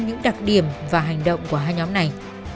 những đặc điểm và hành động của hai nhóm này